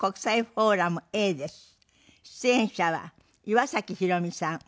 出演者は岩崎宏美さん